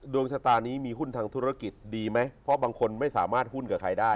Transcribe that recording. ดวงชะตานี้มีหุ้นทางธุรกิจดีไหมเพราะบางคนไม่สามารถหุ้นกับใครได้